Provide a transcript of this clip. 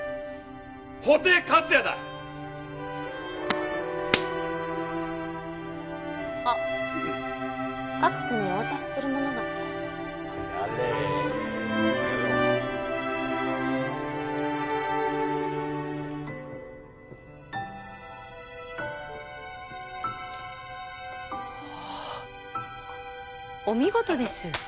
布袋勝也だあっ岳くんにお渡しするものがわあお見事です